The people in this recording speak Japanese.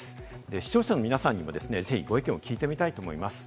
視聴者の皆さんにぜひご意見を聞いてみたいと思います。